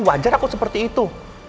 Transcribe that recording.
wajar aku seperti itu